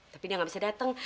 tapi dia nggak bisa datang